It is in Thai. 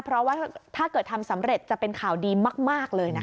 เพราะว่าถ้าเกิดทำสำเร็จจะเป็นข่าวดีมากเลยนะคะ